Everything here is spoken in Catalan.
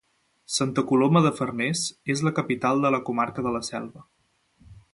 Santa Coloma de Farners és la capital de la comarca de la Selva.